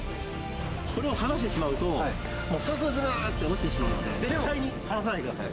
これを離してしまうと、もうするするするーって落ちてしまうので、絶対に離さないでください。